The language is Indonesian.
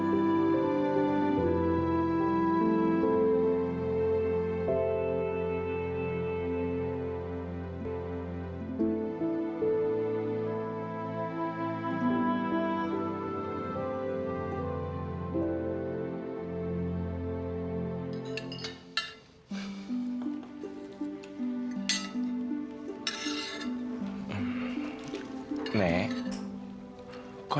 mama gak lapar kok